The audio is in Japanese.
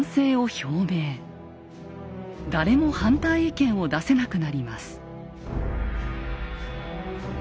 誰も反対意見を出せなくなります。